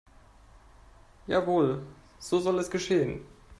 Jawohl, so soll es geschehen.